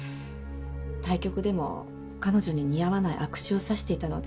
対局でも彼女に似合わない悪手を指していたので。